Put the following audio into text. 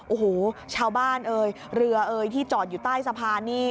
โอ้โฮชาวบ้านเรือที่จอดอยู่ใต้สะพานนี่